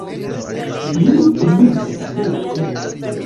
Mi min sentis tre mallerta.